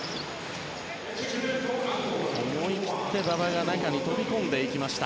思い切って馬場が中に飛び込んでいきました。